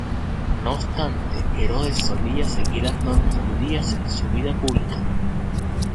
No obstante, Herodes solía seguir las normas judías en su vida pública.